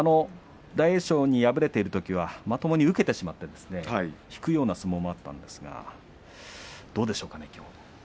大栄翔に敗れているときはまともに受けてしまって引くような相撲もあったんですがどうでしょうかね、きょうは。